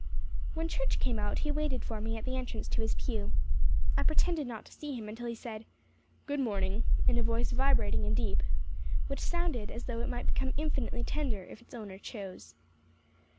When church came out, he waited for me at the entrance to his pew. I pretended not to see him until he said "Good morning," in a voice vibrating and deep, which sounded as though it might become infinitely tender if its owner chose.